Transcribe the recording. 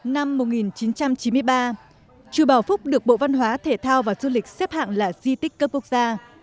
năm một nghìn chín trăm chín mươi ba chùa bảo phúc được bộ văn hóa thể thao và du lịch xếp hạng là di tích cấp quốc gia